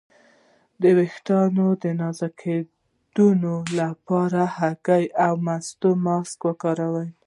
د ویښتو د نازکیدو لپاره د هګۍ او مستو ماسک وکاروئ